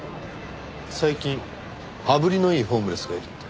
最近羽振りのいいホームレスがいるって。